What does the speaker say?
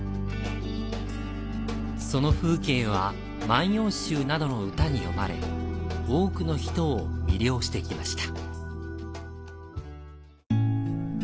その風景は、万葉集などの歌に詠まれ、多くの人を魅了してきました。